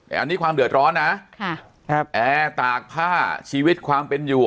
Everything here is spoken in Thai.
อันนี้ความเดือดร้อนนะแอร์ตากผ้าชีวิตความเป็นอยู่